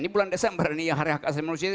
ini bulan desember ini yang hari hak asasi manusia